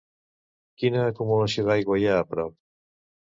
Quina acumulació d'aigua hi ha a prop?